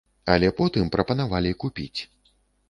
Але потым прапанавалі купіць.